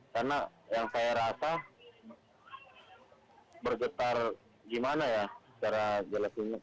karena yang saya rasa bergetar gimana ya secara jelas ini